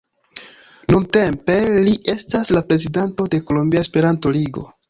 Nuntempe li estas la prezidanto de Kolombia Esperanto-Ligo.